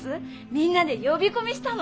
みんなで呼び込みしたの。